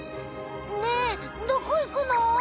ねえどこいくの？